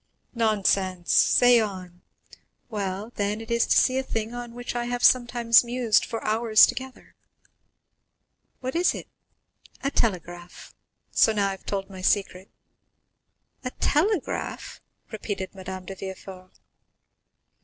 "Nonsense; say on." "Well, then, it is to see a thing on which I have sometimes mused for hours together." "What is it?" "A telegraph. So now I have told my secret." "A telegraph?" repeated Madame de Villefort.